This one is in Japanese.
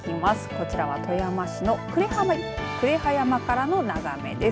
こちらは富山市の呉羽山からの眺めです。